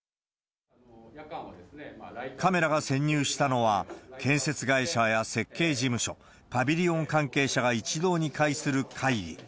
カメラが潜入したのは、建設会社や設計事務所、パビリオン関係者が一堂に会する会議。